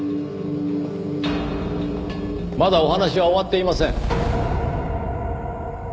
まだお話は終わっていません。